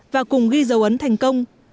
và cùng ghi dấu ấn thành công